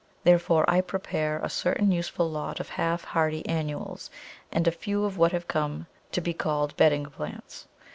Therefore I prepare a certain useful lot of half hardy annuals, and a few of what have come to be called bedding plants.